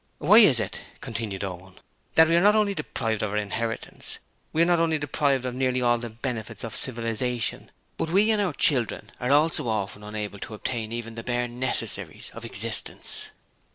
'Why is it,' continued Owen, 'that we are not only deprived of our inheritance we are not only deprived of nearly all the benefits of civilization, but we and our children are also often unable to obtain even the bare necessaries of existence?'